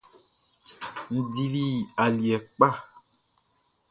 N dili aliɛ kpa.